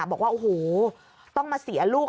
บอกว่าโอ้โหต้องมาเสียลูก